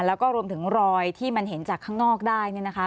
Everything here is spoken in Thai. แล้วก็รวมถึงรอยที่มันเห็นจากข้างนอกได้